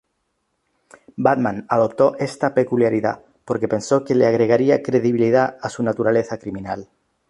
Batman adoptó esta peculiaridad porque pensó que le agregaría credibilidad a su naturaleza criminal.